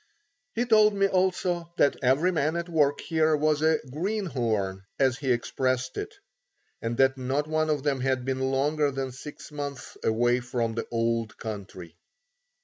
He told me also that every man at work here was a "Green horn," as he expressed it, and that not one of them had been longer than six months away from the Old Country.